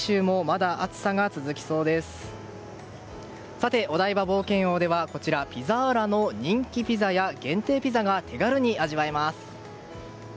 さて、お台場冒険王ではピザーラの人気ピザや限定ピザが手軽に味わえます。